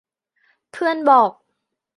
เพื่อนบอก